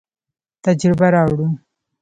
تجربه راوړو.